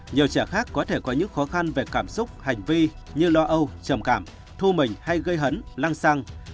nhiều trẻ khác có thể có những khó khăn về cảm xúc hành vi như lo âu trầm cảm thu mình hay gây hấn lang sang